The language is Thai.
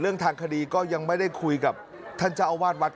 ทางคดีก็ยังไม่ได้คุยกับท่านเจ้าอาวาสวัด